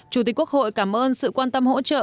chủ tịch quốc hội cảm ơn sự quan tâm hỗ trợ